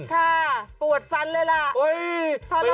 ค่ะปวดฟันเลยล่ะ